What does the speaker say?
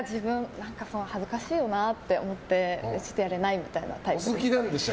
恥ずかしいよなって思ってちょっとやれないみたいなタイプです。